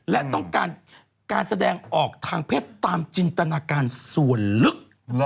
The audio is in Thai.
และต้องการการแสดงออกทางเพศตามจินตนาการส่วนลึก